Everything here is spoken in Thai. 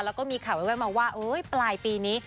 แล้วก็มีข่าวแววมาว่าปลายปีนี้